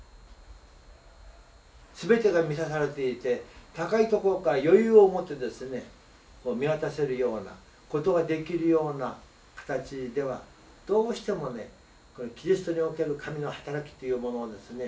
全てが満たされていて高いところから余裕を持って見渡せるようなことができるような形ではどうしてもねキリストにおける神の働きっていうものをですね